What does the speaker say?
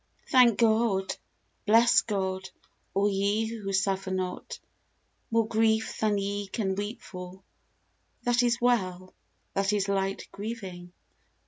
HANK God, bless God, all ye who suffer not ± More grief than ye can weep for. That is well — That is light grieving